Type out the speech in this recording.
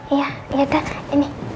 iya yaudah ini